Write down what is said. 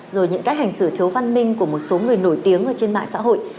rồi những cách hành xử thiếu văn minh của một số người nổi tiếng ở trên mạng xã hội